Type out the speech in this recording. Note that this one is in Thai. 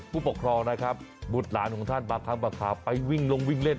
ผู้ปกครองนะครับบุตรหลานของท่านบางครั้งบางข่าวไปวิ่งลงวิ่งเล่น